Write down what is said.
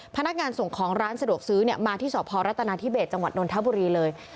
พนักงานส่งของร้านสะดวกซื้อมาที่สพรัฐนาธิเบสจังหวัดนทบุรีเลย